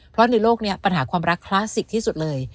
เพราะในโลกนี้ปัญหาความรักคลาสสิกที่สุดเลย